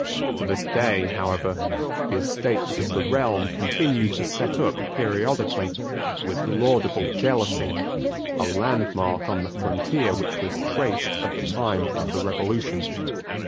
To this day, however, the Estates of the Realm continue to set up periodically, with laudable jealousy, a landmark on the frontier which was traced at the time of the Revolution.